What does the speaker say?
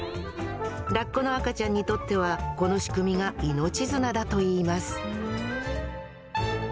ラッコの赤ちゃんにとってはこの仕組みが命綱だといいます